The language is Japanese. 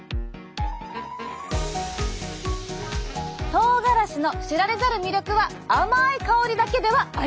とうがらしの知られざる魅力は甘い香りだけではありません！